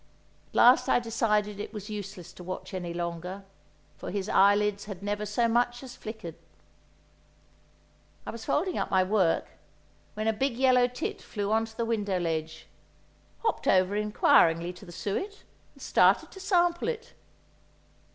At last I decided it was useless to watch any longer, for his eyelids had never so much as flickered. I was folding up my work, when a big yellow tit flew on to the window ledge, hopped over inquiringly to the suet, and started to sample it.